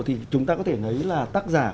thì chúng ta có thể thấy là tác giả